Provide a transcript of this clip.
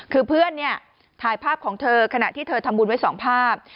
คือเพื่อนเนี่ยถ่ายภาพของเธอขณะที่เธอทำบุญไว้๒ภาพ